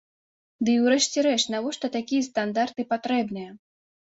Ды і ўрэшце рэшт, навошта такія стандарты патрэбныя?